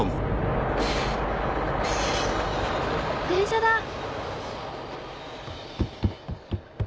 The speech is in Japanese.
電車だ！